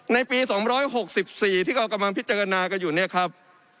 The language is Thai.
ในปี๒๖๔ที่เขากำลังพิจารณากันอยู่เนี่ยครับ